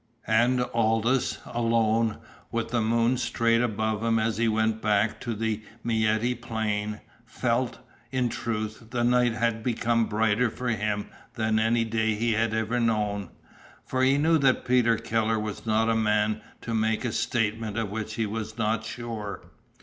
And Aldous, alone, with the moon straight above him as he went back to the Miette Plain, felt, in truth, this night had become brighter for him than any day he had ever known. For he knew that Peter Keller was not a man to make a statement of which he was not sure.